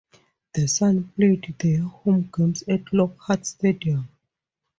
The Sun played their home games at Lockhart Stadium.